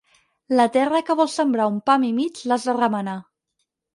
La terra que vols sembrar un pam i mig l'has de remenar.